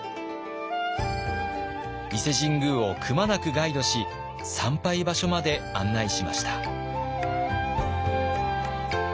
伊勢神宮をくまなくガイドし参拝場所まで案内しました。